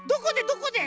どこで？